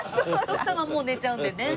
徳さんはもう寝ちゃうんでね。